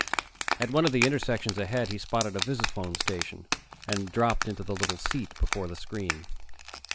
At one of the intersections ahead, he spotted a visiphone station, and dropped onto the little seat before the screen.